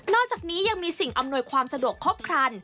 อกจากนี้ยังมีสิ่งอำนวยความสะดวกครบครัน